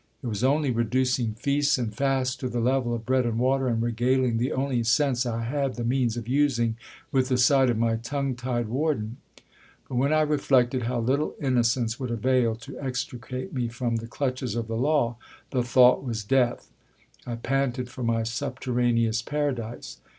It was only reducing feasts and fasts to the level of bread and water, and regaling the only sense I had the means of using with the sight of my tongue tied warden. But when I reflected how little innocence would avail to extricate me from the clutches of the law, the thought was death ; I panted for my subterraneous paradise.